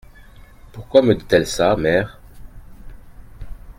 Pourquoi me dit-elle ça, mère ?